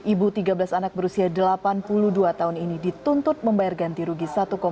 ibu tiga belas anak berusia delapan puluh dua tahun ini dituntut membayar ganti rugi